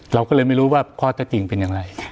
เราก็เลยไม่รู้ว่าข้อเท็จจริงเป็นอย่างไร